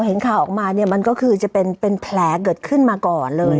เห็นข่าวออกมาเนี่ยมันก็คือจะเป็นแผลเกิดขึ้นมาก่อนเลย